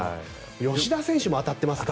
吉田選手も当たってますからね。